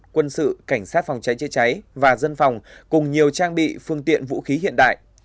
quân sự cảnh sát phòng cháy chế cháy và dân phòng cùng nhiều trang bị phương tiện vũ khí hiện đại